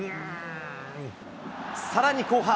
さらに、後半。